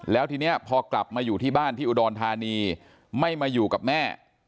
แล้วทีนี้พอกลับมาอยู่ที่บ้านที่อุดรธานีไม่มาอยู่กับแม่